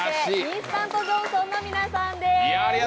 インスタントジョンソンの皆さんです。